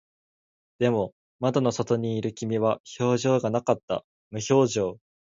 でも、窓の外にいる君は表情がなかった。無表情。